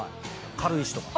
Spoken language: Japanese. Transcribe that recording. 軽石とか。